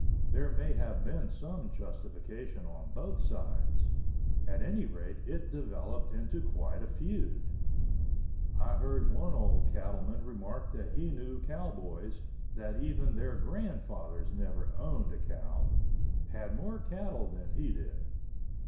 There may have been some justification on both sides; at any rate it developed into quite a feud. I heard one old cattleman remark that he knew cowboys that even their grandfathers never owned a cow, had more cattle than he did.